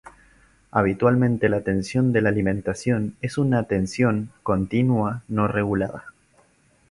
Habitualmente la tensión de alimentación es una tensión continua no regulada.